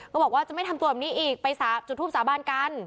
บอกว่าจะไม่ทำตัวแบบนี้อีกไปจุดทูปสาบานกัน